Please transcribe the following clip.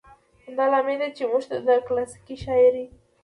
همدا لامل دى، چې موږ ته د کلاسيکې شاعرۍ